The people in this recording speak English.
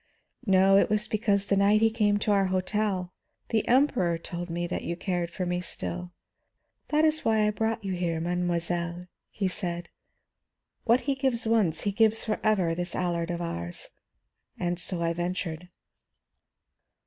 No, it was because the night he came to our hotel, the Emperor told me that you cared for me still. 'That is why I brought you here, mademoiselle,' he said. 'What he gives once, he gives for ever, this Allard of ours.' And so I ventured."